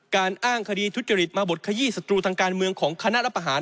การอ้างคดีทุจริตมาบดขยี้ศัตรูทางการเมืองของคณะรับประหาร